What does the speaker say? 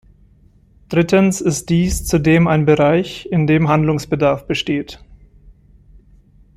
Drittens ist dies zudem ein Bereich, in dem Handlungsbedarf besteht.